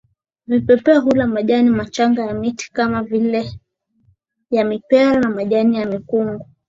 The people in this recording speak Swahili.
Vipepeo hula majani machanga ya miti kama vilele ya mipera na majani ya mikungu